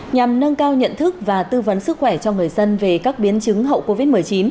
nhằm nâng cao nhận thức và tư vấn sức khỏe cho người dân về các biến chứng hậu covid một mươi chín